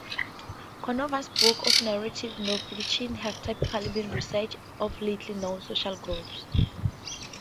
Conover's books of narrative nonfiction have typically been researches of little-known social groups.